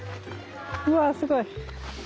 うわすごい！